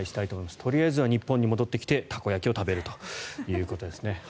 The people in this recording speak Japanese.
とりあえずは日本に戻ってきてたこ焼きを食べると。